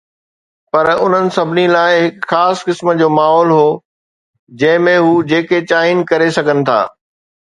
پر انهن سڀني لاءِ هڪ خاص قسم جو ماحول هو جنهن ۾ هو جيڪي چاهين ڪري سگهن ٿا.